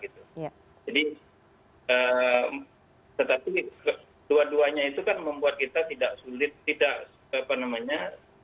jadi tetapi dua duanya itu kan membuat kita tidak sulit tidak apa namanya